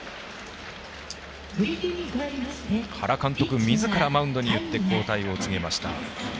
原監督みずからマウンドに行って交代を告げました。